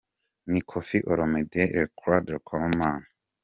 Ni Koffi Olomide, Le Quadra Koraman.